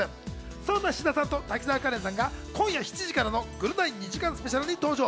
そんな志田さんと滝沢カレンさんが今夜７時からの『ぐるナイ』２時間スペシャルに登場。